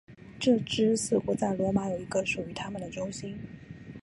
这支似乎在罗马有一个属于他们的中心。